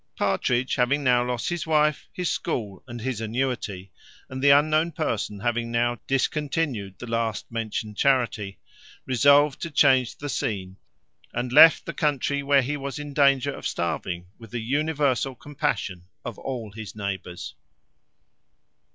Partridge having now lost his wife, his school, and his annuity, and the unknown person having now discontinued the last mentioned charity, resolved to change the scene, and left the country, where he was in danger of starving, with the universal compassion of all his neighbours.